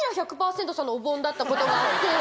のお盆だったことがあって。